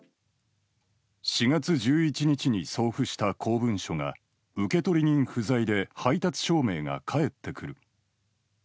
４月１１日に送付した公文書が受取人不在で配達証明が返ってくる。